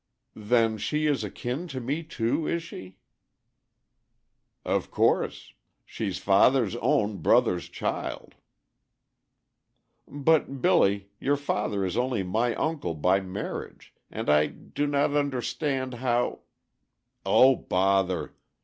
"Then she is akin to me too, is she?" "Of course. She's father's own brother's child." "But, Billy, your father is only my uncle by marriage, and I do not understand how " "O bother!